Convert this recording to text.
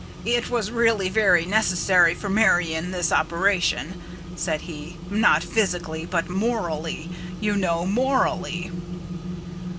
"It was really very necessary for Marion, this operation," said he, "not physically, but morally, you know, morally."